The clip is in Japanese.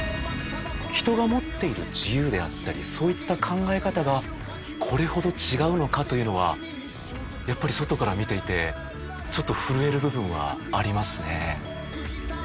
人が持っている自由であったりそういった考え方がこれほど違うのかというのはやっぱり外から見ていてちょっと震える部分はありますね。